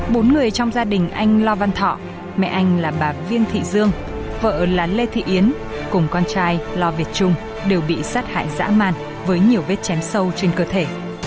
bốn người trong gia đình anh lo văn thọ mẹ anh là bà viên thị dương vợ là lê thị yến cùng con trai lo việt trung đều bị sát hại dã man với nhiều vết chém sâu trên cơ thể